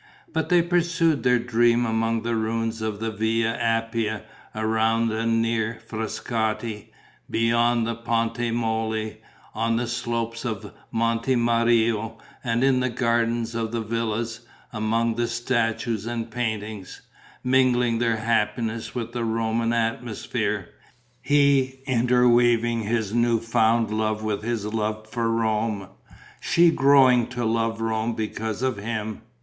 But they pursued their dream among the ruins in the Via Appia, around and near Frascati, beyond the Ponte Molle, on the slopes of the Monte Mario and in the gardens of the villas, among the statues and paintings, mingling their happiness with the Roman atmosphere: he interweaving his new found love with his love for Rome; she growing to love Rome because of him.